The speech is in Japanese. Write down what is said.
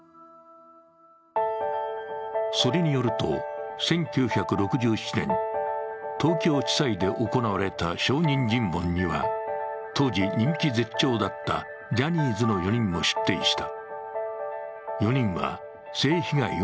それによると、１９６７年、東京地裁で行われた証人尋問には当時人気絶頂だったジャニーズの４人も出廷した。